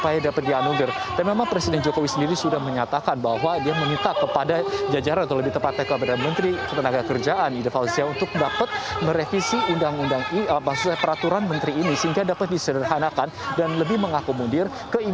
yang tadi didampingi oleh sekjen